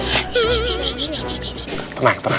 tenang tenang tenang